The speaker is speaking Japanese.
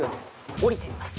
降りてみます。